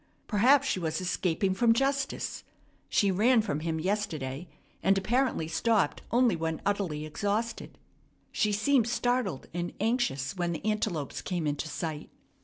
Perhaps she was escaping from justice. She ran from him yesterday, and apparently stopped only when utterly exhausted. She seemed startled and anxious when the antelopes came into sight.